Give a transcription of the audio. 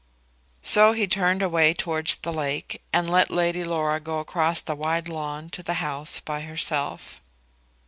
So he turned away towards the lake, and let Lady Laura go across the wide lawn to the house by herself.